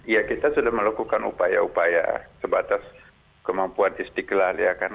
ya kita sudah melakukan upaya upaya sebatas kemampuan istiqlal ya kan